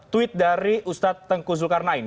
tweet dari ustadz tengku zulkarnain